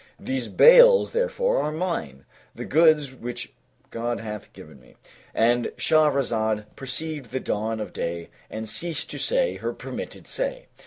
These bales, therefore, are mine, the goods which God hath given me " And Shahrazad perceived the dawn of day and ceased to say her permitted say.